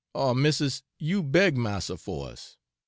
Oh missis, you beg massa for us!